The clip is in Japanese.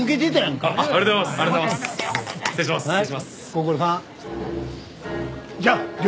ご苦労さん。